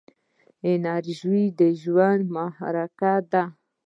انرژي د ژوند محرک دی.